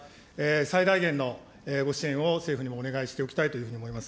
最大限のご支援を政府にもお願いしておきたいというふうに思います。